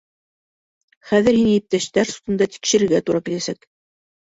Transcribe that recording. Хәҙер һине иптәштәр судында тикшерергә тура киләсәк.